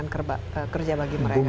dengan kerja bagi mereka